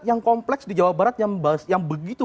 yang kompleks di jawa barat yang begitu